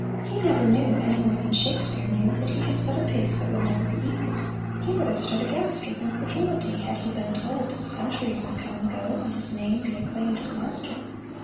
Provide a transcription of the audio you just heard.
He never knew, any more than Shakespeare knew, that he had set a pace that would never be equaled. He would have stood aghast with incredulity had he been told that centuries would come and go and his name be acclaimed as Master.